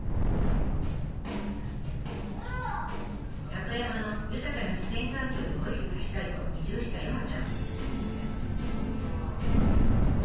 里山の豊かな自然環境で保育がしたいと移住した山ちゃん。